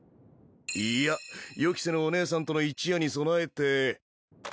いや予期せぬおねえさんとの一夜に備えて。